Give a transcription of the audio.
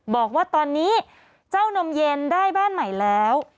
บอกว่าตอนนี้เจ้านมเย็นได้บ้านใหม่แล้ว